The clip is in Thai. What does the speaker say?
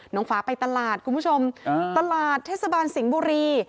น้องฟ้าไปตลาดคุณผู้ชมตลาดเทศบาลสิงห์บุรี